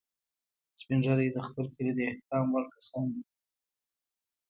سپین ږیری د خپل کلي د احترام وړ کسان دي